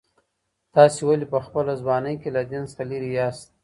تاسي ولي په خپله ځواني کي له دین څخه لیري یاست؟